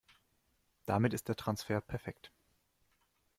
Damit ist der Transfer perfekt.